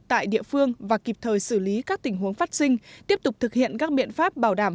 tại địa phương và kịp thời xử lý các tình huống phát sinh tiếp tục thực hiện các biện pháp bảo đảm